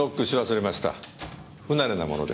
不慣れなもので。